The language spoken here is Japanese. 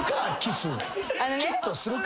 チュッとするか。